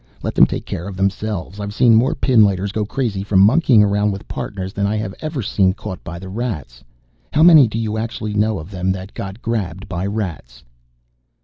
Let them take care of themselves. I've seen more pinlighters go crazy from monkeying around with Partners than I have ever seen caught by the Rats. How many do you actually know of them that got grabbed by Rats?"